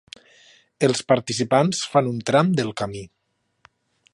Els participants fan un tram del camí.